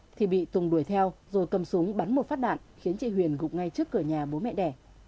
thì bị tùng đuổi theo rồi cầm súng bắn một phát đạn khiến chị huyền gục ngay trước cửa nhà bố mẹ đẻ